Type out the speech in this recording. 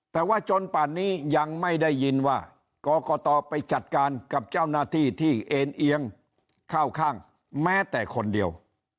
แต่ว่าจนป่านนี้ยังไม่ได้ยินว่ากรกตไปจัดการกับเจ้าหน้าที่ที่เอ็นเอียงเข้าข้างแม้แต่คนเดียว